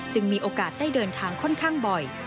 มีโอกาสได้เดินทางค่อนข้างบ่อย